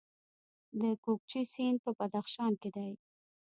د کوکچې سیند په بدخشان کې دی